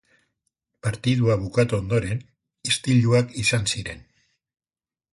Partidua bukatu ondoren, istiluak izan ziren